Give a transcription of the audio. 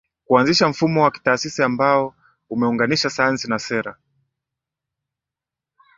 kuanzisha mfumo wa kitaasisi ambao umeunganisha sayansi na sera